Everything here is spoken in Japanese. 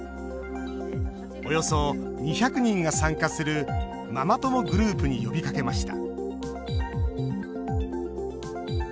およそ２００人が参加するママ友グループに呼びかけました。